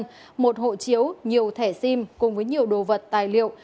một hộ chiếu nhiều thẻ sim cùng với nhiều đồ vật tài liệu